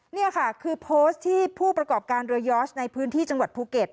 นี่ค่ะคือโพสต์ที่ผู้ประกอบการเรือยอสในพื้นที่จังหวัดภูเก็ต